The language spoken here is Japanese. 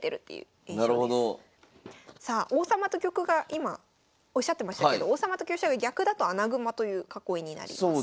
さあ王様と玉が今おっしゃってましたけど王様と香車が逆だと穴熊という囲いになります。